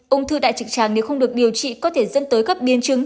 ung thư đại trực tràng nếu không được điều trị có thể dẫn tới các biến chứng